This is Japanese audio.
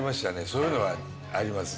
そういうのはあります